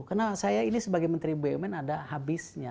karena saya ini sebagai menteri bumn ada habisnya